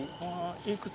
いくつ？